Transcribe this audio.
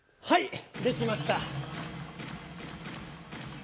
はい。